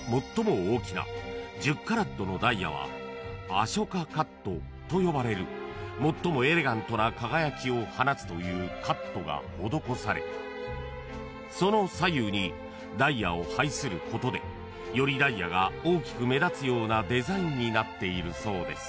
［アショカカットと呼ばれる最もエレガントな輝きを放つというカットが施されその左右にダイヤを配することでよりダイヤが大きく目立つようなデザインになっているそうです］